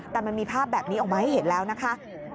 แต่มันมีภาพแบบนี้ออกมาให้เห็นแล้วนะคะ